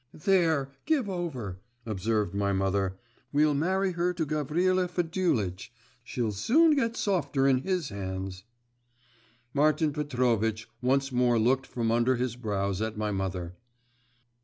'There, give over,' observed my mother, 'we'll marry her to Gavrila Fedulitch … she'll soon get softer in his hands.' Martin Petrovitch once more looked from under his brows at my mother.